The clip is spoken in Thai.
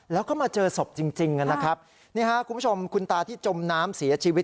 แล้วก็มาเจอศพจริงจริงนะครับนี่ฮะคุณผู้ชมคุณตาที่จมน้ำเสียชีวิต